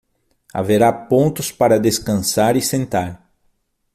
Haverá pontos para descansar e sentar